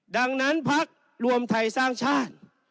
ดังนั้นพักรวมไทยสร้างชาติ